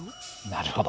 なるほど。